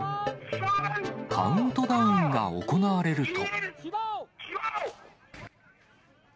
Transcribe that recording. カウントダウンが行われると。